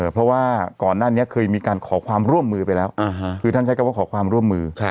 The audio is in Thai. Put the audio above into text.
เพราะว่าก่อนหน้านี้เคยมีการขอความร่วมมือไปแล้วคือท่านใช้คำว่าขอความร่วมมือ